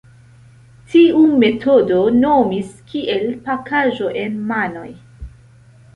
Tiu metodo nomis kiel "Pakaĵo en manoj".